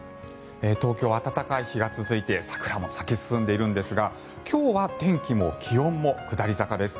東京、暖かい日が続いて桜も咲き進んでいるんですが今日は天気も気温も下り坂です。